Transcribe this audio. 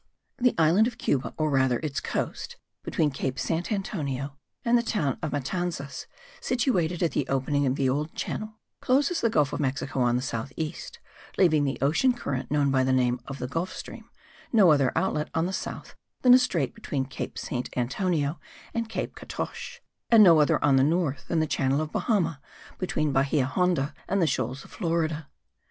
The island of Cuba, or rather its coast between Cape St. Antonio and the town of Matanzas, situated at the opening of the old channel, closes the Gulf of Mexico on the south east, leaving the ocean current known by the name of the Gulf Stream, no other outlet on the south than a strait between Cape St. Antonio and Cape Catoche; and no other on the north than the channel of Bahama, between Bahia Honda and the shoals of Florida.